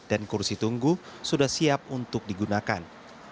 dan kursi tunggu sudah siap untuk digunakan